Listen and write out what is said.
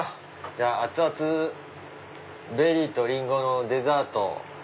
じゃあ熱々ベリーとリンゴのデザート。